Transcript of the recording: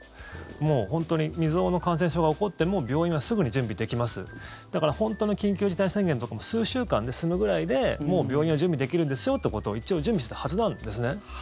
もう本当に未曽有の感染症が起こっても病院はすぐに準備できますだから本当の緊急事態宣言とかも数週間で済むぐらいでもう病院は準備できるんですよってことを一応準備してたはずなんですね。